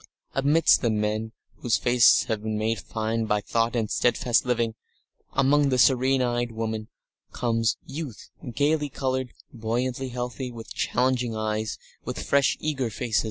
Amidst the men whose faces have been made fine by thought and steadfast living, among the serene eyed women, comes youth, gaily coloured, buoyantly healthy, with challenging eyes, with fresh and eager face....